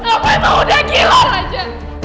apa itu udah gila raja